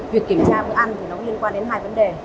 việc kiểm tra bữa ăn thì nó liên quan đến hai vấn đề